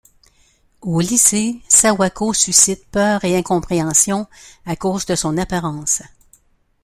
Au lycée, Sawako suscite peur et incompréhension à cause de son apparence.